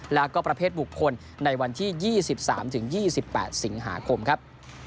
แล้วก็ประเภทบุคคลในวันที่๒๓๒๘สิงหาคมครับ